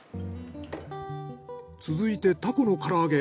続いてタコの唐揚げ。